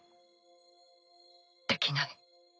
できない。